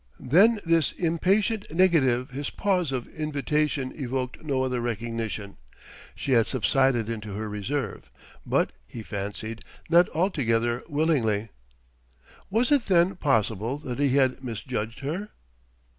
Than this impatient negative his pause of invitation evoked no other recognition. She had subsided into her reserve, but he fancied not altogether willingly. Was it, then, possible that he had misjudged her?